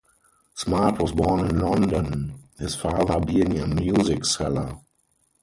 Smart was born in London, his father being a music-seller.